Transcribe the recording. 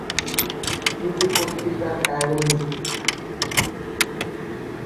দুটি পত্রিকা কায়রো ভিত্তিক।